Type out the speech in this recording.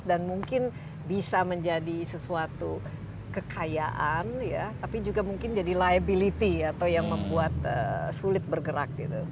dan mungkin bisa menjadi sesuatu kekayaan ya tapi juga mungkin jadi liability atau yang membuat sulit bergerak gitu